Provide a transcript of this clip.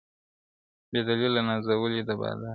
بې دلیله نازولی د بادار دی-